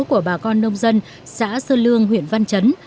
của bà con nông dân xã sơn lương huyện văn chấn